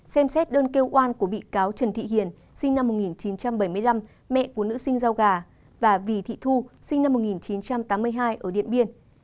xem xét đơn kêu oan của bị cáo trần thị hiền sinh năm một nghìn chín trăm bảy mươi năm mẹ của nữ sinh rau gà và vì thị thu sinh năm một nghìn chín trăm tám mươi hai ở điện biên